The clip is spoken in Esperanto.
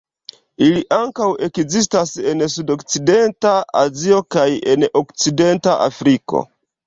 Ili ankaŭ ekzistas en sudokcidenta Azio kaj en okcidenta Afriko.